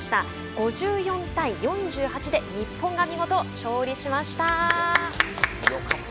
５４対４８で日本が見事、勝利しました。